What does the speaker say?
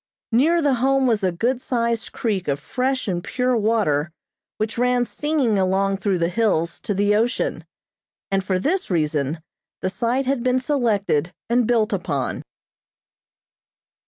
Near the Home was a good sized creek of fresh and pure water, which ran singing along through the hills to the ocean, and for this reason the site had been selected and built upon.